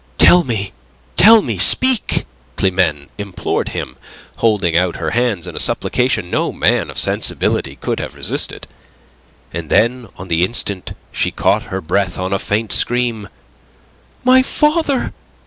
"Tell me, tell me! Speak!" Climene implored him, holding out her hands in a supplication no man of sensibility could have resisted. And then on the instant she caught her breath on a faint scream. "My father!"